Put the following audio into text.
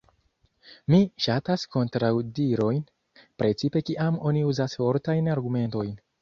Mi ŝatas kontraŭdirojn, precipe kiam oni uzas fortajn argumentojn.